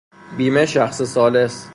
بیمه شخص ثالث.